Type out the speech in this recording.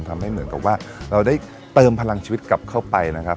ทำให้เหมือนกับว่าเราได้เติมพลังชีวิตกลับเข้าไปนะครับ